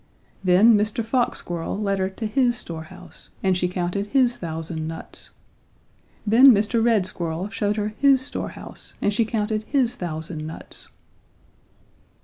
Then Mr. Fox Squirrel led her to his storehouse and she counted his thousand nuts. Then Mr. Red Squirrel showed her his store house and she counted his thousand nuts.